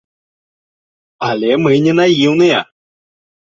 Але мы не наіўныя.